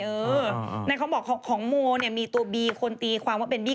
เขาบอกของโมเนี่ยมีตัวบีคนตีความว่าเป็นบี้